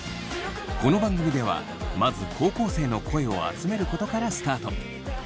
この番組ではまず高校生の声を集めることからスタート。